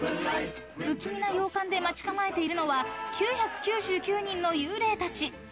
［不気味な洋館で待ち構えているのは９９９人の幽霊たち］